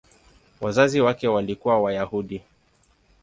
Wazazi wake walikuwa Wayahudi.